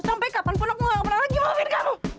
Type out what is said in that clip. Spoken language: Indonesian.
sampai kapanpun aku gak pernah lagi maafin kamu